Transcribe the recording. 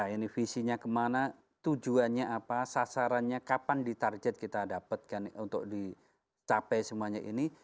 ini visinya kemana tujuannya apa sasarannya kapan di target kita dapatkan untuk dicapai semuanya ini